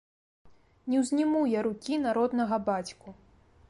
Не ўзніму я рукі на роднага бацьку.